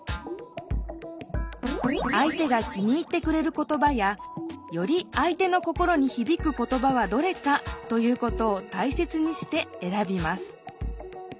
あい手が気に入ってくれる言葉やよりあい手の心にひびく言葉はどれかということをたいせつにして選びます